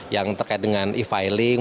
yang terkait dengan e filing